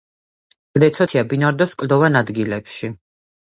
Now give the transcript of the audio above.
კლდეცოცია ბინადრობს კლდოვან ადგილებში.